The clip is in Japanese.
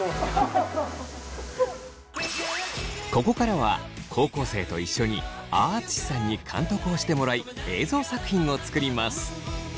ここからは高校生と一緒にあああつしさんに監督をしてもらい映像作品を作ります。